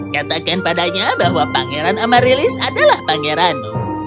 katakan padanya bahwa pangeran amarilis adalah pangeran